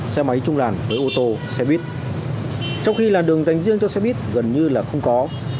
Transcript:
xe máy trung làn với ô tô xe buýt trong khi làn đường dành riêng cho xe buýt gần như là không có